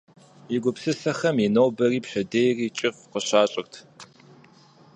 И гупсысэхэм и нобэри пщэдейри кӏыфӏ къыщащӏырт.